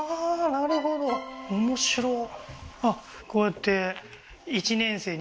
なるほど面白っ